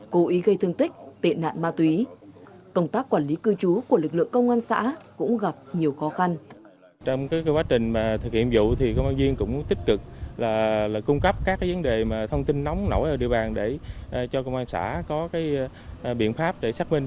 cố ý gây thương tích tệ nạn ma túy công tác quản lý cư trú của lực lượng công an xã cũng gặp nhiều khó khăn